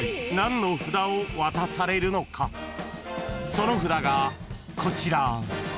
［その札がこちら］